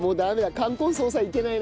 冠婚葬祭行けないな。